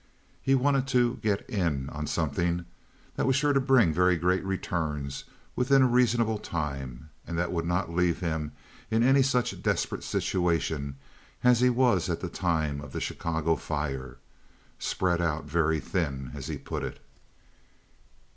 He wanted to "get in" on something that was sure to bring very great returns within a reasonable time and that would not leave him in any such desperate situation as he was at the time of the Chicago fire—spread out very thin, as he put it.